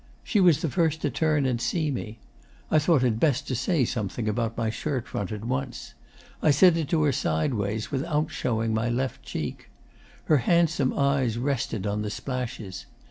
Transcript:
She was the first to turn and see me. I thought it best to say something about my shirtfront at once. I said it to her sideways, without showing my left cheek. Her handsome eyes rested on the splashes.